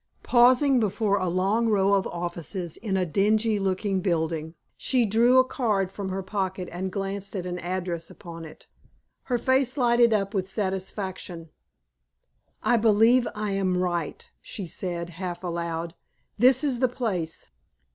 Pausing before a long row of offices in a dingy looking building, she drew a card from her pocket and glanced at an address upon it. Her face lighted up with satisfaction. "I believe I am right," she said, half aloud. "This is the place."